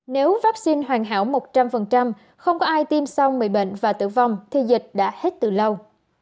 nếu vaccine hoàn hảo một trăm linh không có ai tiêm xong bị bệnh và tử vong thì dịch đã hết từ lâu